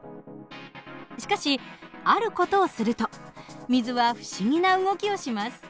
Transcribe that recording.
しかしある事をすると水は不思議な動きをします。